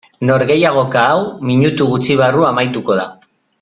Norgehiagoka hau minutu gutxi barru amaituko da.